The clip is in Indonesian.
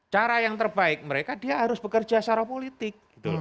cara yang terbaik mereka dia harus bekerja secara politik